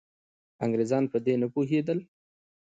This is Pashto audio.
انګریزان په دې نه پوهېدل.